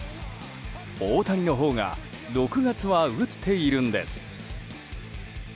大谷のほうが６月は打っているんです。